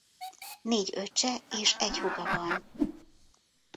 Négy öccse és egy húga van.